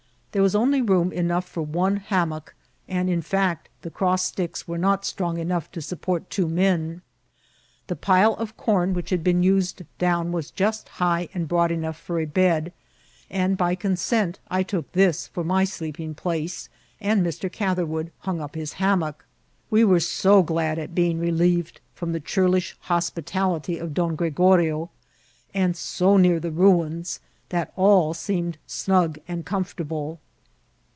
There was only room enough for one hammock, and, in &ct, the cross sticks were not strong enough to support two men. The pile of com which had been used down was just high and Inroad enough for a bed ; by consent, I took this for my sleep ing place, and Mr. Catherwood hung up his hammock ; we were so glad at being relieved from the churlish hospitality of Don Gregorio, and so near the ruins, that all seemed snug and comfortable.